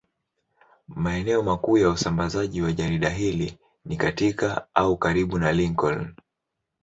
Maeneo makuu ya usambazaji wa jarida hili ni katika au karibu na Lincoln.